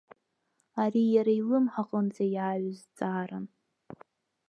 Ари иара илымҳа аҟынӡа иааҩыз зҵааран.